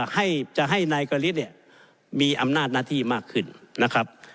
ให้จะให้นายกฤทธิเนี่ยมีอำนาจหน้าที่มากขึ้นนะครับ